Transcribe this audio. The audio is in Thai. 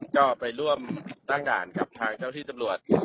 ก็ไปร่วมตั้งด่านกับทางเจ้าที่ตำรวจ